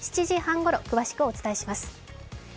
７時半ごろ、詳しくお伝えします。